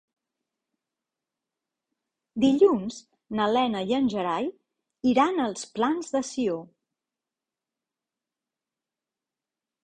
Dilluns na Lena i en Gerai iran als Plans de Sió.